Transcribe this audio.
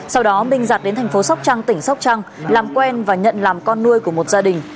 sau đó minh giặt đến thành phố sóc trăng tỉnh sóc trăng làm quen và nhận làm con nuôi của một gia đình